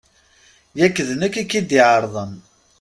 Yak d nekk i k-id-ɛerḍen.